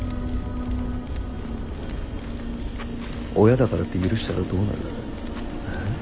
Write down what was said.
親だからって許したらどうなる。